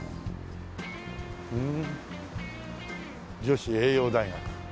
ふん「女子栄養大学」。